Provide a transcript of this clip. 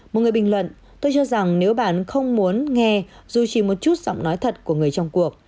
một người bình luận tôi cho rằng nếu bạn không muốn nghe dù chỉ một chút giọng nói thật của người trong cuộc